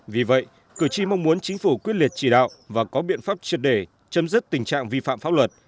vì vậy cử tri mong muốn chính phủ quyết liệt chỉ đạo và có biện pháp triệt để chấm dứt tình trạng vi phạm pháp luật